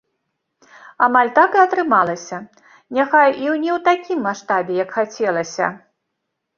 Амаль так і атрымалася, няхай і ў не такім маштабе, як хацелася.